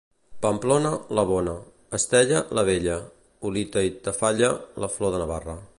Pamplona, la bona; Estella, la bella; Olite i Tafalla, la flor de Navarra.